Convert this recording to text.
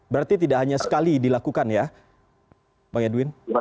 berarti tidak hanya sekali dilakukan ya bang edwin